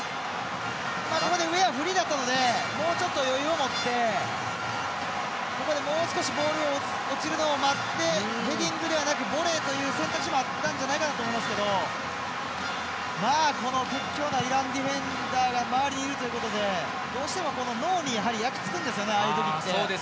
ここでウェア、フリーだったのでもうちょっと余裕を持ってもう少しボールが落ちるのを待ってヘディングではなく、ボレーという選択肢もあったんじゃないかなと思いますけどこの屈強なイランディフェンダーが周りにいるということでどうしても脳に焼きつくんですよねああいう時って。